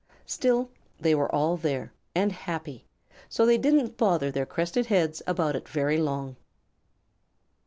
Still, they were all there and happy, so they didn't bother their crested heads about it very long.